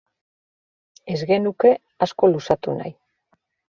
Ez genuke asko luzatu nahi.